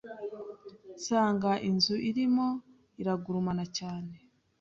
nsanga inzu irimo iragurumana cyane